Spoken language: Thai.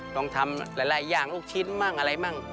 ต้องทำหลายอย่างลูกชิ้นมั่งอะไรมั่ง